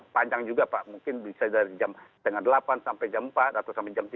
panjang juga pak mungkin bisa dari jam setengah delapan sampai jam empat atau sampai jam tiga